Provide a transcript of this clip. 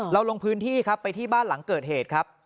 ลงพื้นที่ครับไปที่บ้านหลังเกิดเหตุครับ